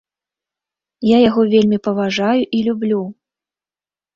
Я яго вельмі паважаю і люблю.